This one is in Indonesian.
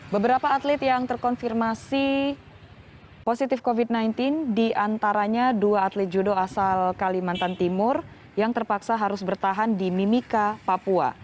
beberapa atlet yang terkonfirmasi positif covid sembilan belas diantaranya dua atlet judo asal kalimantan timur yang terpaksa harus bertahan di mimika papua